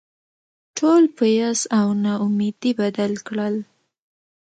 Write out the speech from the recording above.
ټول په یاس او نا امیدي بدل کړل.